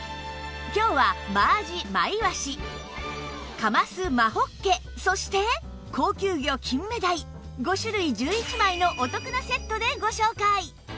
今日は真あじ真いわしかます真ほっけそして高級魚金目鯛５種類１１枚のお得なセットでご紹介